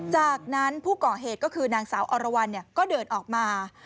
จากนั้นผู้ก่อเหตุก็คือนางสาวอรวรรณก็เดินออกมา